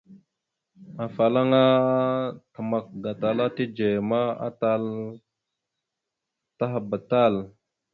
Afalaŋa təmak gatala tidzeya ma, atal taɗəba tal.